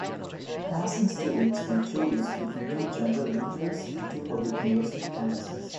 Passing students may choose between two general majors and two public university campuses.